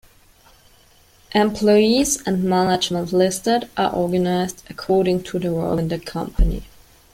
Employees and management listed are organized according to their role in the company.